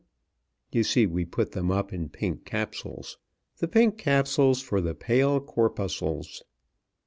You see, we put them up in pink capsules. "The pink capsules for the pale corpuscles."